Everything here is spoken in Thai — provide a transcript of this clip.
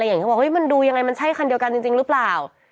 เหมือนกันว่ามันดูยังไงมันใช้คันเดียวกันจริงหรือเปล่า